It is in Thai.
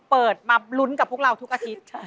เปิดมาลุ้นกับพวกเราทุกอาทิตย์